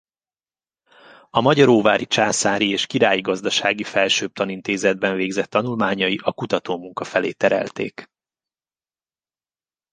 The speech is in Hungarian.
A Magyaróvári Császári és Királyi Gazdasági Felsőbb Tanintézetben végzett tanulmányai a kutatómunka felé terelték.